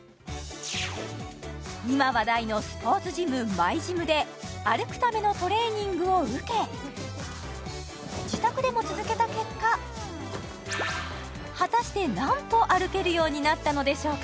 今話題のスポーツジムＭｙＧｙｍで歩くためのトレーニングを受け自宅でも続けた結果果たして何歩歩けるようになったのでしょうか